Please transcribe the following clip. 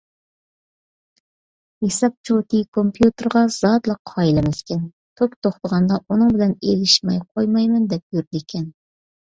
ھېساب چوتى كومپيۇتېرغا زادىلا قايىل ئەمەسكەن، توك توختىغاندا ئۇنىڭ بىلەن ئېلىشماي قويمايمەن دەپ يۈرىدىكەن.